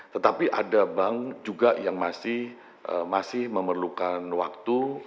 tetapi ada bank juga yang masih memerlukan waktu